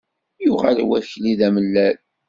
Yuɣal wakli d amellal.